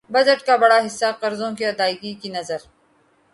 budget کا بڑا حصہ قرضوں کی ادائیگی کی نذر